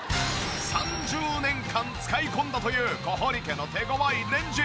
３０年間使い込んだという小堀家の手ごわいレンジ。